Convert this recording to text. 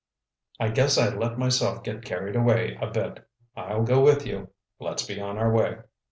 "I guess I let myself get carried away a bit. I'll go with you. Let's be on our way."